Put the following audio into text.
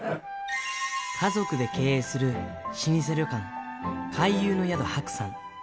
家族で経営する老舗旅館、海遊の宿はくさん。